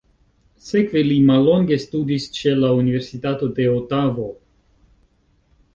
Sekve li mallonge studis ĉe la Universitato de Otavo.